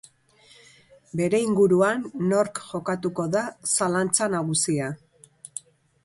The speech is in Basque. Bere inguruan nork jokatuko da zalantza nagusia.